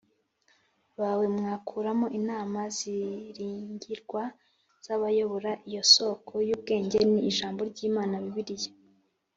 bawe mwakuramo inama ziringirwa zabayobora Iyo soko y ubwenge ni Ijambo ry Imana Bibiliya